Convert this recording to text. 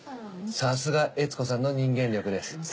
さすが悦子さんの人間力です。